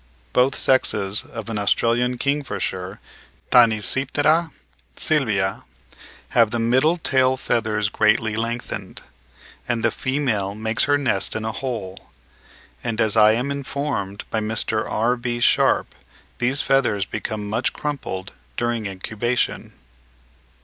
Both sexes of an Australian kingfisher (Tanysiptera sylvia) have the middle tail feathers greatly lengthened, and the female makes her nest in a hole; and as I am informed by Mr. R.B. Sharpe these feathers become much crumpled during incubation.